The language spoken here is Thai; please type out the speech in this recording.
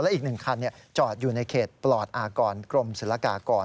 อีก๑คันจอดอยู่ในเขตปลอดอากรกรมศุลกากร